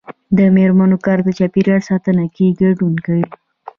د میرمنو کار د چاپیریال ساتنه کې ګډون کوي.